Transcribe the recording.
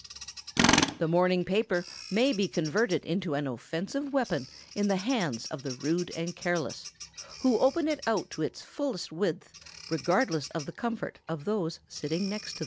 The morning paper may be converted into an offensive weapon in the hands of the rude and careless, who open it out to its fullest width, regardless of the comfort of those sitting next them.